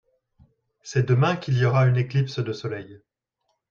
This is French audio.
C'est demain qu'il y aura une éclipse de soleil.